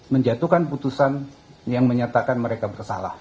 menjatuhkan putusan yang menyatakan mereka bersalah